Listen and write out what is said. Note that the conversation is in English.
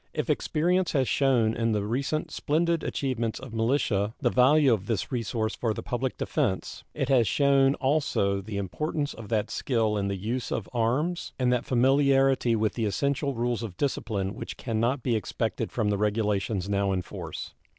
If experience has shewn in the recent splendid achievements of militia the value of this resource for the public defense, it has shewn also the importance of that skill in the use of arms and that familiarity with the essential rules of discipline which can not be expected from the regulations now in force.